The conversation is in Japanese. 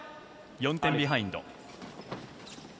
４点ビハインド。